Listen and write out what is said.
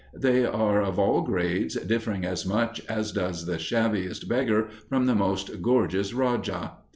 They are of all grades, differing as much as does the shabbiest beggar from the most gorgeous raja.